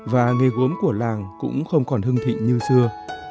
và nghề gốm của làng cũng không còn hưng thịnh như xưa